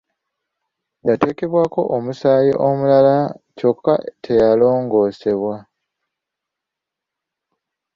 Yateekebwako omusaayi omulala kyokka teyalongoosebwa.